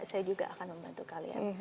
saya juga akan membantu kalian